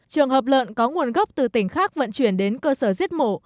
trường hợp lợn có nguồn gốc từ tỉnh khác vận chuyển đến cơ sở giết mổ